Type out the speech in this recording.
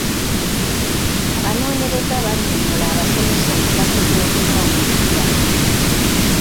Abanoonyereza bannyonnyola abasomesa omugaso gw'okunoonyereza.